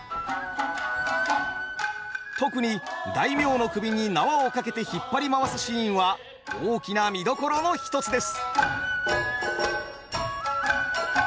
特に大名の首に縄を掛けて引っ張り回すシーンは大きな見どころの一つです。